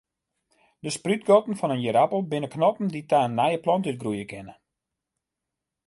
De sprútgatten fan in ierappel binne knoppen dy't ta in nije plant útgroeie kinne.